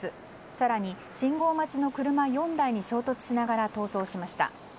更に、信号待ちの車４台に衝突しながら逃走しました。